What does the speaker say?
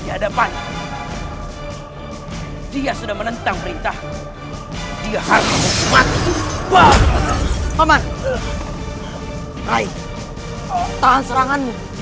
di hadapan dia sudah menentang perintah dia harus menghukum atuh banget om hai hai tahan serangan